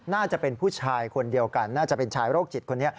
น่าจะเป็นผู้ชายคนเดียวกันน่าจะเป็นชายโรคจิตคนนี้